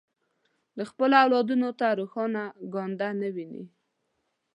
د خپلو اولادونو ته روښانه ګانده نه ویني.